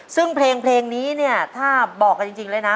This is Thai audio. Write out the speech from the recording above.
ซึ่งเพลงนี้เนี่ยถ้าบอกกันจริงเลยนะ